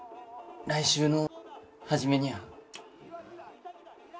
来週の初めにゃあ。